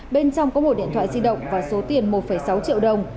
bên trong có một điện thoại di động và số tiền một sáu triệu đồng